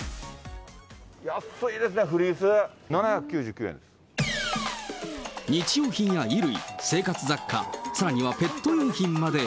やっすいですね、日用品や衣類、生活雑貨、さらにはペット用品まで。